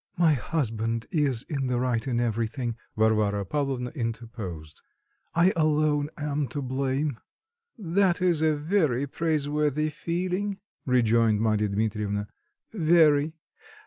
"My husband is in the right in everything," Varvara Pavlovna interposed; "I alone am to blame." "That is a very praiseworthy feeling" rejoined Marya Dmitrievna, "very.